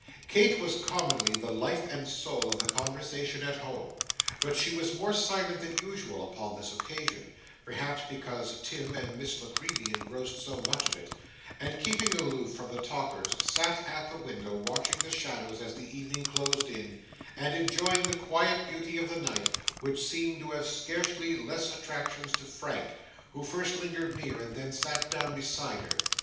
Kate was commonly the life and soul of the conversation at home; but she was more silent than usual upon this occasion (perhaps because Tim and Miss La Creevy engrossed so much of it), and, keeping aloof from the talkers, sat at the window watching the shadows as the evening closed in, and enjoying the quiet beauty of the night, which seemed to have scarcely less attractions to Frank, who first lingered near, and then sat down beside, her.